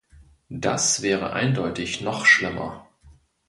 Das wäre eindeutig noch schlimmer.